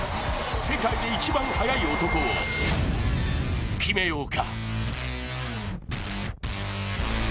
世界で一番速い男を決めようか。